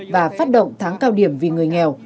và phát động tháng cao điểm vì người nghèo